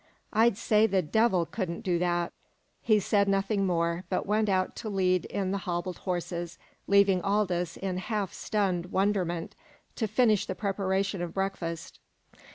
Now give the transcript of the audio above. I'd say the devil couldn't do that!" He said nothing more, but went out to lead in the hobbled horses, leaving Aldous in half stunned wonderment to finish the preparation of breakfast.